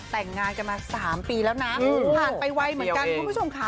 แต่งงานกันมา๓ปีแล้วนะผ่านไปไวเหมือนกันคุณผู้ชมค่ะ